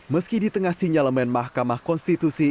meski di tengah sinyalemen mahkamah konstitusi